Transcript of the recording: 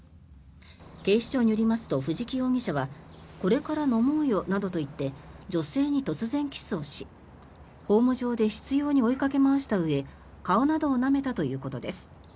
警視庁によりますと藤木容疑者はこれから飲もうよなどと言って女性に突然キスをしホーム上で執ように追いかけ回したうえ顔などをなめたということです。